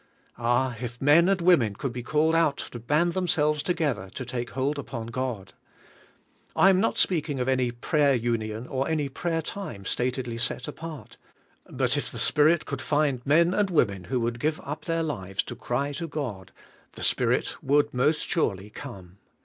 Ah, if men and women could be called out to band themselves together to take hold upon God ! I am not speaking of any prayer union or any prayer time statedly set apart, but if the Spirit could find men and women who would give up their lives to cry to God, the Spirit would most surely come.